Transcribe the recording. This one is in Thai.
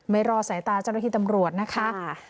ไม่รอสายตาเจ้าหน้าที่ตำรวจนะคะ